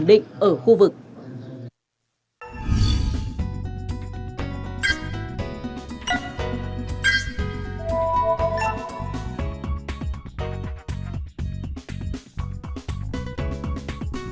hãy đăng ký kênh để ủng hộ kênh của mình nhé